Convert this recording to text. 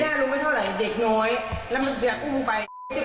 แต่ไม่ได้รู้ไม่เท่าไหร่เด็กน้อยแล้วมันมึงกล้าพูดไปแหละ